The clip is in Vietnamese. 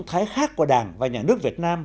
động thái khác của đảng và nhà nước việt nam